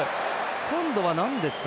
今度はなんですか？